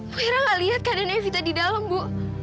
bu hira gak liat keadaan evita di dalam bu